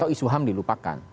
isu ham dilupakan